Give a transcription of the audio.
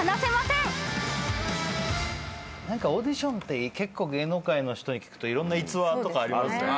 何かオーディションって結構芸能界の人に聞くといろんな逸話とかありますよね。